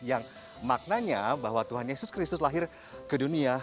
yang maknanya bahwa tuhan yesus kristus lahir ke dunia